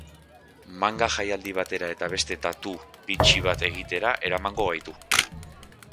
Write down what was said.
Manga jaialdi batera eta beste tatoo bitxi bat egitera eramango gaitu.